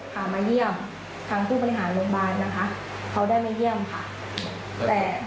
เขาได้ไม่เยี่ยมค่ะ